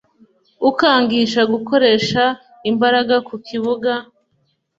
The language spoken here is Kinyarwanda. ukangisha gukoresha imbaraga ku kibuga